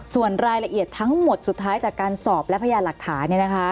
ส่วนรายละเอียดทั้งหมดสุดท้ายจากการสอบและพยานหลักฐาน